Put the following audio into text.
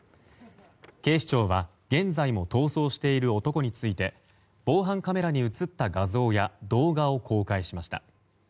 警視庁は現在も逃走している男について防犯カメラに映った画像や動画を公開しました。